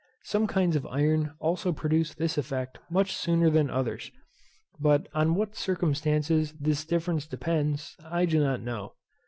Some kinds of iron also produced this effect much sooner than others, but on what circumstances this difference depends I do not know.